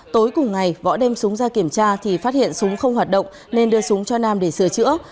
tối cùng ngày võ đem súng ra kiểm tra thì phát hiện súng không hoạt động nên đưa súng cho nam để sửa chữa